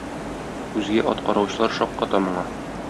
Үзгә ат караучылар шакката моңа.